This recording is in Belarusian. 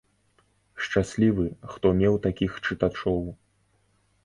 Шчаслівы, хто меў такіх чытачоў.